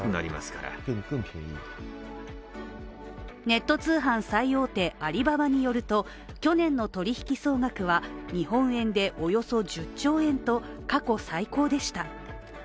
ネット通販最大手アリババによると去年の取引総額は日本円でおよそ１０兆円と過去最高でした。